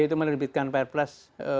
itu menerbitkan pers